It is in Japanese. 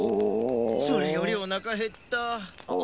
それよりおなかへった。